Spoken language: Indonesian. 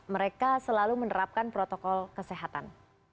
mereka selalu menerapkan protokol kesehatan